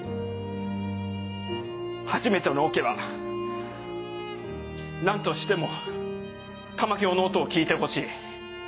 初めてのオケは何としても玉響の音を聴いてほしい。